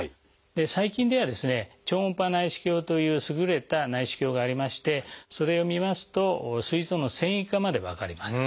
最近では超音波内視鏡という優れた内視鏡がありましてそれを見ますとすい臓の線維化まで分かります。